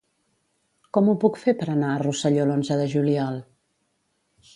Com ho puc fer per anar a Rosselló l'onze de juliol?